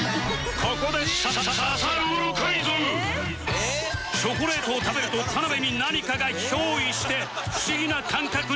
ここでチョコレートを食べると田辺に何かが憑依して不思議な感覚に